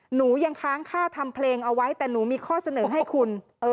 หนูยังค้างค่าทำเพลงเอาไว้แต่หนูมีข้อเสนอให้คุณ